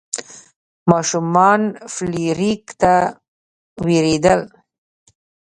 ماشومان فلیریک ته ویرېدل.